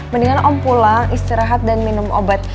mendingan om pulang istirahat dan minum obat